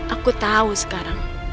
aku tahu sekarang